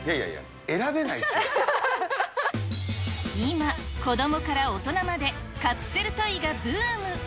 今、子どもから大人まで、カプセルトイがブーム。